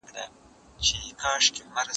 زه به اوږده موده د ژبي تمرين کړی وم!!